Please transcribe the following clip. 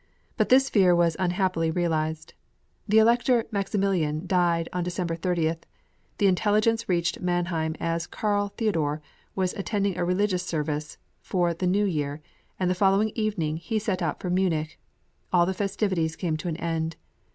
But this fear was unhappily realised. The Elector Maximilian died on December 30; the intelligence reached Mannheim as Karl Theodor was attending a religious service for the New Year, and the following evening he set out for Munich. All the festivities came to an end.